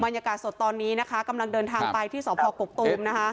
บรรยากาศสดตอนนี้นะคะกำลังเดินทางไปที่สพกกตูมนะคะ